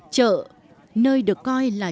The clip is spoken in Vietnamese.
chợ nơi được coi là